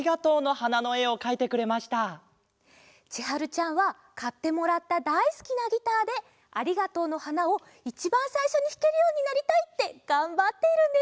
ちはるちゃんはかってもらっただいすきなギターで「ありがとうの花」をいちばんさいしょにひけるようになりたいってがんばっているんですって。